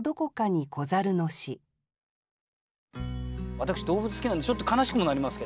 私動物好きなんでちょっと悲しくもなりますけど。